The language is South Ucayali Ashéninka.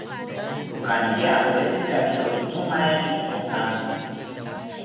Kokaniria owetzikakiro intomaeki opankoki